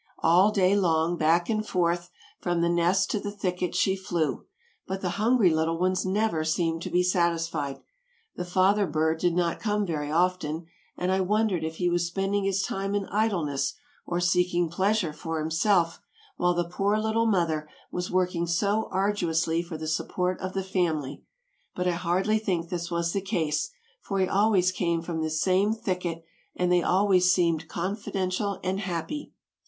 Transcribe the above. All day long, back and forth, from the nest to the thicket she flew, but the hungry little ones never seemed to be satisfied. The father bird did not come very often, and I wondered if he was spending his time in idleness or seeking pleasure for himself, while the poor, little mother was working so arduously for the support of the family. But I hardly think this was the case, for he always came from this same thicket and they always seemed confidential and happy.